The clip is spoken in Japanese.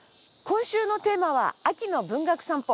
今週のテーマは秋の文学散歩。